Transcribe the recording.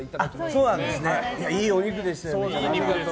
いいお肉でした。